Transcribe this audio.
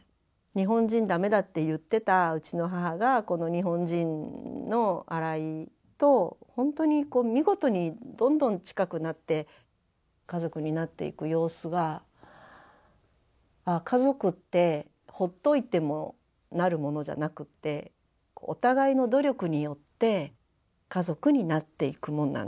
日本人ダメだって言ってたうちの母がこの日本人の荒井と本当に見事にどんどん近くなって家族になっていく様子が家族ってほっといてもなるものじゃなくてお互いの努力によって家族になっていくもんなんだなって。